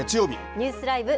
ニュースＬＩＶＥ！